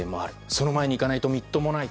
その前に行かないとみっともない。